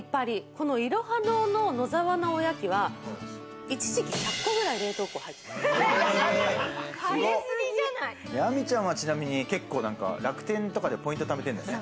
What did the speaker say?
このいろは堂の野沢菜おやきは一時期１００個くらい冷凍庫に入ってて、亜美ちゃんはちなみに楽天とかでポイント貯めてるんだよね？